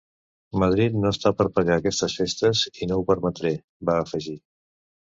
“Madrid no està per pagar aquestes festes i no ho permetré”, va afegir.